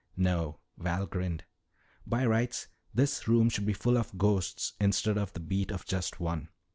"No," Val grinned. "By rights this room should be full of ghosts instead of the beat of just one.